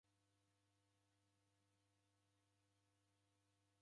Bonya seji Iw'ifwane